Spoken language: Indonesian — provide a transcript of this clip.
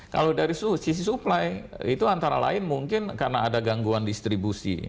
kalau dari sisi supply itu antara lain mungkin karena ada gangguan distribusi